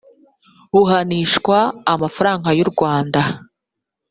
buhanishwa amafaranga y u rwanda